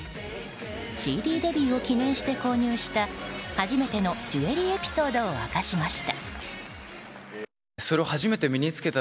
ＣＤデビューを記念して購入した初めてのジュエリーエピソードを明かしました。